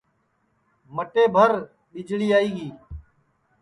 مٹئے بھر ٻِجݪی آئی گی